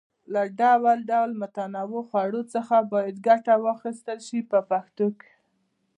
له ډول ډول متنوعو خوړو څخه باید ګټه واخیستل شي په پښتو کې.